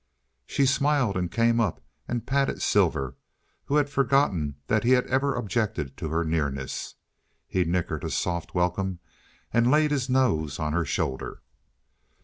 She smiled and came up and patted Silver, who had forgotten that he ever had objected to her nearness. He nickered a soft welcome and laid his nose on her shoulder.